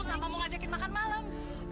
sama mau ngajakin makan malam